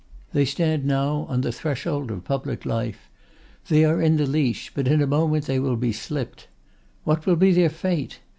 They stand now on the threshold of public life. They are in the leash, but in a moment they will be slipped. What will be their fate?